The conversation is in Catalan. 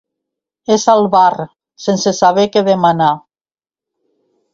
És al bar, sense saber què demanar.